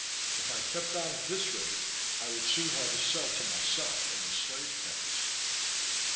If I kept on at this rate, I would soon have a cell to myself in the slave pens.